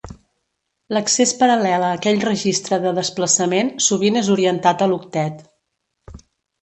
L'accés paral·lel a aquell registre de desplaçament sovint és orientat a l'octet.